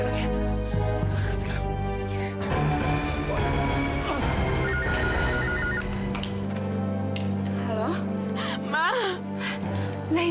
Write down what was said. tahu ada apaan sih